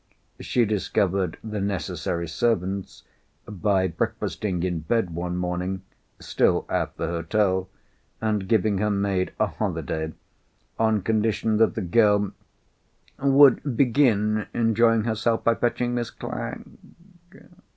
She discovered the necessary servants by breakfasting in bed one morning (still at the hotel), and giving her maid a holiday on condition that the girl "would begin enjoying herself by fetching Miss Clack."